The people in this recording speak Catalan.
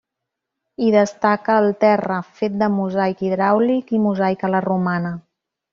Hi destaca el terra, fet de mosaic hidràulic i mosaic a la romana.